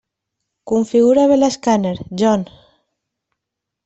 Configura bé l'escàner, John.